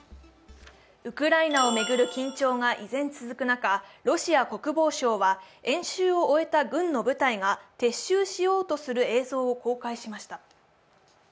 ウクライナを巡る緊張が依然続く中、ロシア国防省は、演習を終えた軍の部隊が撤収しようとする映像を公開しました。